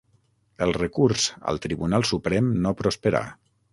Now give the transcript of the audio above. El recurs al Tribunal Suprem no prosperà.